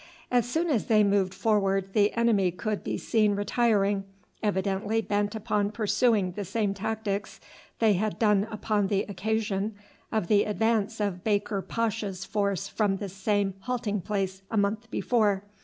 As soon as they moved forward the enemy could be seen retiring, evidently bent upon pursuing the same tactics that they had done upon the occasion of the advance of Baker Pasha's force from the same halting place a month before.